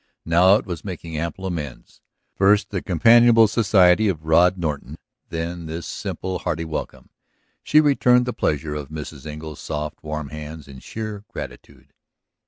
Now it was making ample amends: first the companionable society of Rod Norton, then this simple, hearty welcome. She returned the pressure of Mrs. Engle's soft, warm hands in sheer gratitude.